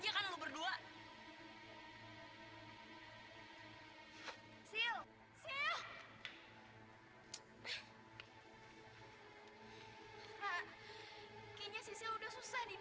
jalan kung jalan se di sini ada pesta besar besaran